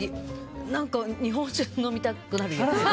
日本酒が飲みたくなる。